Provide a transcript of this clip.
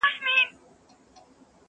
غزل-عبدالباري جهاني٫